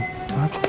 sampai mulai ya zakat